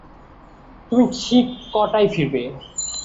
তুমি ঠিক কটায় ফিরবে?